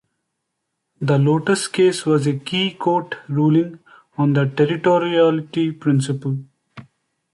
The "Lotus" case was a key court ruling on the territoriality principle.